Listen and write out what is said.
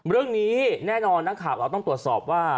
เรื่องนี้แน่นอนเราต้องตรวจสอบว่า